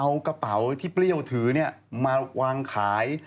เอากระเป๋าที่เปรี้ยวถือมาวางขาย